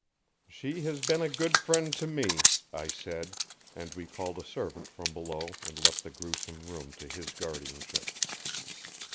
"She has been a good friend to me," I said, and we called a servant from below and left the gruesome room to his guardianship.